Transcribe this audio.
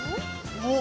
おっ。